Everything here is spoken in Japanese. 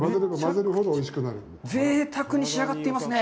ぜいたくに仕上がっていますね。